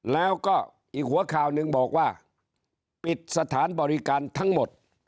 แล้วก็อีกหัวข่าวหนึ่งบอกว่าปิดสถานบริการทั้งหมด